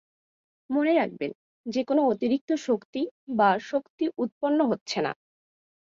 মনে রাখবেন যে কোন অতিরিক্ত শক্তি বা শক্তি উৎপন্ন হচ্ছে না।